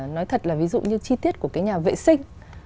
nói thật là ví dụ như chi tiết của cái nhà vệ sinh